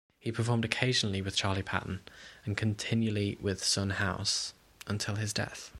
He performed occasionally with Charley Patton and continually with Son House until his death.